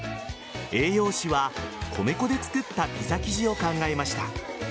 栄養士は米粉で作ったピザ生地を考えました。